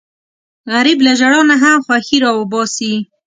غریب له ژړا نه هم خوښي راوباسي